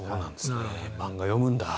漫画読むんだ。